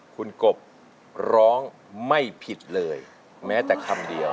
คุณกบร้องไม่ผิดเลยแม้แต่คำเดียว